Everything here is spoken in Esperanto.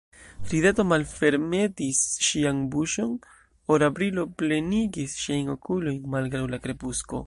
Rideto malfermetis ŝian buŝon, ora brilo plenigis ŝiajn okulojn, malgraŭ la krepusko.